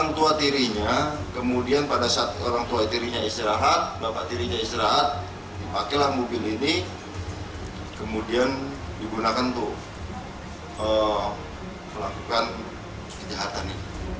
orang tua tirinya kemudian pada saat orang tua tirinya istirahat bapak tirinya istirahat dipakailah mobil ini kemudian digunakan untuk melakukan kejahatan ini